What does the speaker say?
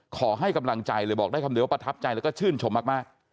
ขอให้กำลังใจเลยบอกได้คำเดียวว่าประทับใจแล้วก็ชื่นชมมาก